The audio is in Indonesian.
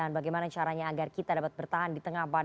saat malam mas bima